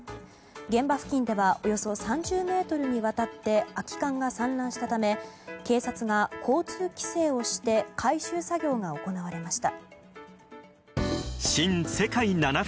現場付近ではおよそ３０ｍにわたって空き缶が散乱したため警察が交通規制をして回収作業が行われました。